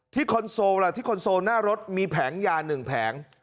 ที่โค้นโซลหน้ารถมีแผงยา๑แผง